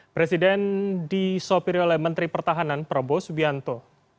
presiden disopiri oleh menteri pertahanan prabowo subianto